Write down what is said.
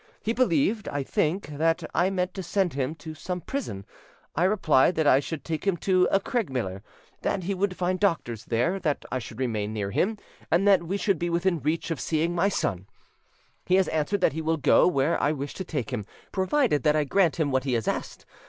He believed, I think, that I meant to send him to some prison: I replied that I should take him to Craigmiller, that he would find doctors there, that I should remain near him, and that we should be within reach of seeing my son. He has answered that he will go where I wish to take him, provided that I grant him what he has asked.